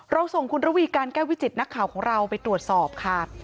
ส่งคุณระวีการแก้ววิจิตนักข่าวของเราไปตรวจสอบค่ะ